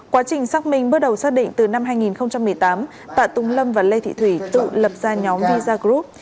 quá trình xác minh bước đầu xác định từ năm hai nghìn một mươi tám tạ tùng lâm và lê thị thủy tự lập ra nhóm visa group